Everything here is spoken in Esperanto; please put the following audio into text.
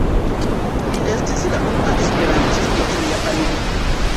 Li estis la unua esperantisto en Japanio.